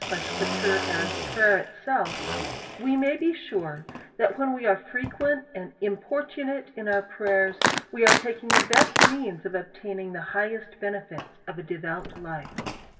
207 by scripture, as prayer itself, we may be sure, that when we are frequent and importunate in ^our pray ers, we arc taking the best means of obtaining the hig hest benefits of a devout life.